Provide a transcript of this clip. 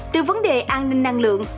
từ vấn đề an ninh năng lượng